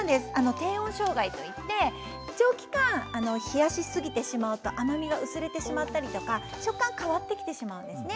低温障害といって長期間冷やしすぎてしまうと甘みが薄れてしまったりとか食感変わってきてしまうんですね。